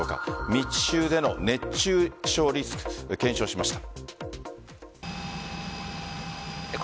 密集での熱中症リスク検証しました。